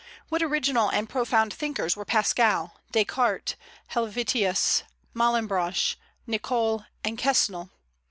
What original and profound thinkers were Pascal, Descartes, Helvetius, Malebranche, Nicole, and Quesnel!